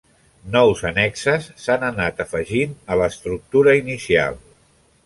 Nous annexes s'han anat afegint a l'estructura inicial.